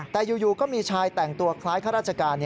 แต่อยู่ก็มีชายแต่งตัวคล้ายข้าราชการ